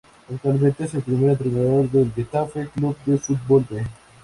Actualmente es el primer entrenador del Getafe Club de Fútbol "B".